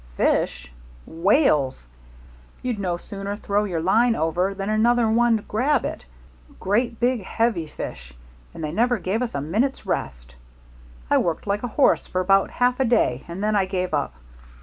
"Fish? Whales! You'd no sooner throw your line over than another one'd grab it great, big, heavy fish, and they never gave us a minute's rest. I worked like a horse for about half a day and then I gave up.